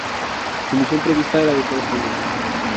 Su misión prevista era de tres años.